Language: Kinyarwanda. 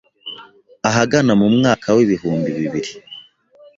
Ahagana mu mwaka wi ibihumbi bibiri